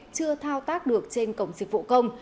chưa thao tác được trên cổng diễn